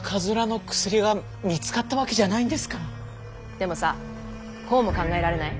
でもさぁこうも考えられない？